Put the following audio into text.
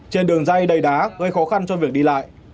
trên đường dây đầy đá gây khó khăn cho việc đi lại